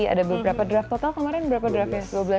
ada beberapa draft total kemarin berapa draft ya